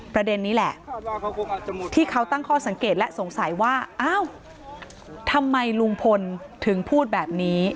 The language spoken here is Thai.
ประเด็นนี้แหละที่เขาตั้งข้อสังเกตและสงสัยว่าอ้าวทำไมลุงพลถึงพูดแบบนี้